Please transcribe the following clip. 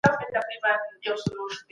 ونه د بزګر له خوا اوبه کيږي.